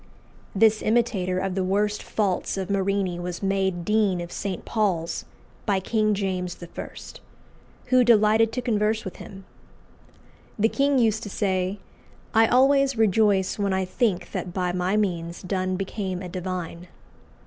This imitator of the worst faults of Marini was made Dean of St. Paul's by King James I., who delighted to converse with him. The king used to say, "I always rejoice when I think that by my means Donne became a divine."